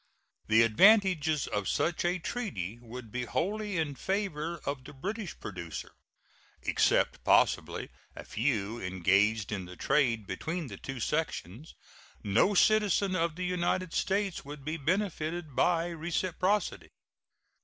The advantages of such a treaty would be wholly in favor of the British producer. Except, possibly, a few engaged in the trade between the two sections, no citizen of the United States would be benefited by reciprocity.